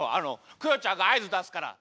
クヨちゃんがあいずだすから。